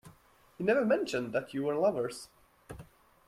He never mentioned that you were lovers.